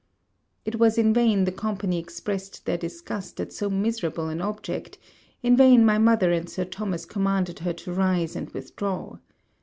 It was in vain the company expressed their disgust at so miserable an object; in vain my mother and Sir Thomas commanded her to rise and withdraw.